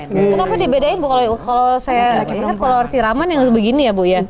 kenapa dibedain bu kalau saya ingat kalau harus siraman yang harus begini ya bu ya